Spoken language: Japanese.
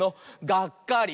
「がっかり」！